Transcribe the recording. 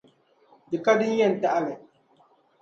Di ka din yɛn taɣi li.